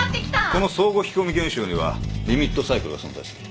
この相互引き込み現象にはリミットサイクルが存在する。